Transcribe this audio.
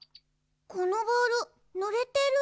このボールぬれてる。